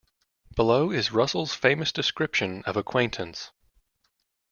Below is Russell's famous description of acquaintance.